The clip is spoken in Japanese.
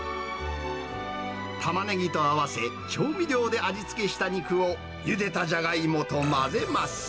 たまねぎと合わせ、調味料で味付けした肉をゆでたじゃがいもと混ぜます。